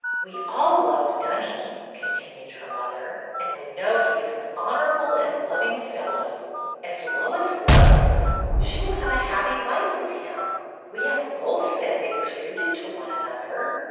"We all love Dunny," continued her mother, "and we know he is an honorable and loving fellow. As Lois loves him, she will have a happy life with him. We have both said they were suited to one another."